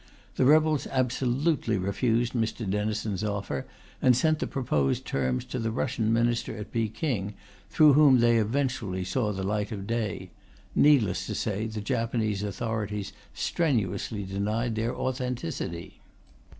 The rebels absolutely refused Mr. Denison's offer, and sent the proposed terms to the Russian Minister at Peking, through whom they eventually saw the light of day. Needless to say the Japanese authorities strenuously denied their authenticity.